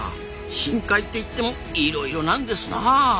深海っていってもいろいろなんですなあ。